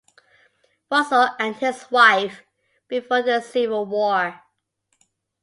Russell and his wife before the Civil War.